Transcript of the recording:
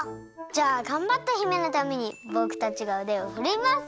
じゃあがんばった姫のためにぼくたちがうでをふるいます！